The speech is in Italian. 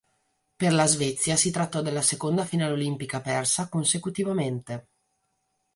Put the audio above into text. Per la Svezia si trattò della seconda finale olimpica persa consecutivamente.